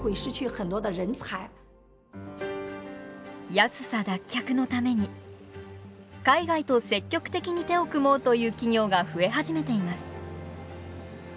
安さ脱却のために海外と積極的に手を組もうという企業が増え始めています。